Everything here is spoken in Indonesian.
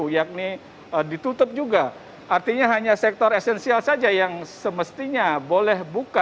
yakni ditutup juga artinya hanya sektor esensial saja yang semestinya boleh buka